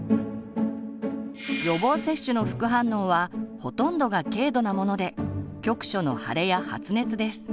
予防接種の副反応はほとんどが軽度なもので局所の腫れや発熱です。